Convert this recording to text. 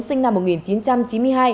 sinh năm một nghìn chín trăm chín mươi hai